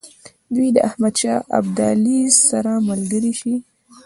دوی د احمدشاه ابدالي سره ملګري شي.